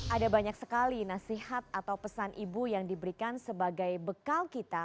ada banyak sekali nasihat atau pesan ibu yang diberikan sebagai bekal kita